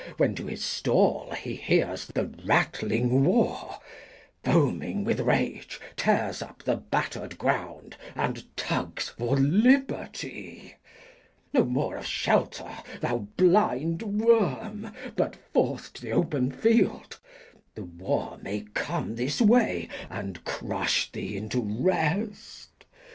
When to the Stall he hears the ratling War, Foaming with Rage, tears up the batter'd Ground, And tugs for Liberty. No more of Shelter, thou blind Worm, but forth To th' open Field, the War may come this Way, And crush thee into Rest.